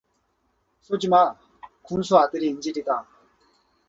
쏘지마, 군수 아들이 인질이다